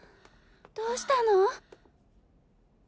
どうしたの？